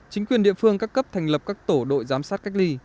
chính quyền địa phương các cấp thành lập các tổ đội giám sát cách ly